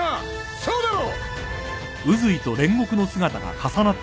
そうだろ！